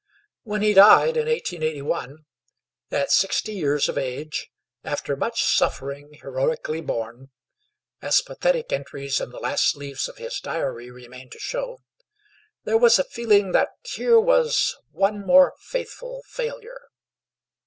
When he died, in 1881, at sixty years of age, after much suffering heroically borne, as pathetic entries in the last leaves of his Diary remain to show, there was a feeling that here was "one more faithful failure."